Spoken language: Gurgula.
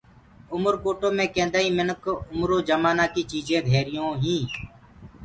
اُمرڪوٽو مي ڪيندآئين منک اُمرو جمآنآ ڪي چيجين ڌيريون هين